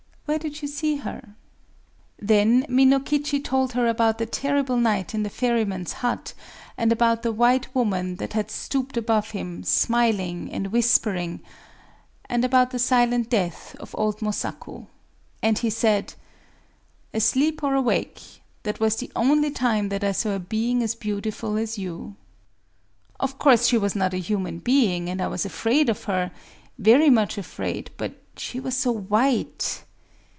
Where did you see her?" Then Minokichi told her about the terrible night in the ferryman's hut,—and about the White Woman that had stooped above him, smiling and whispering,—and about the silent death of old Mosaku. And he said:— "Asleep or awake, that was the only time that I saw a being as beautiful as you. Of course, she was not a human being; and I was afraid of her,—very much afraid,—but she was so white!...